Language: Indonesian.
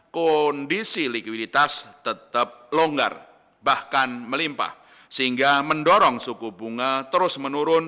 kondisi likuiditas tetap longgar bahkan melimpah sehingga mendorong suku bunga terus menurun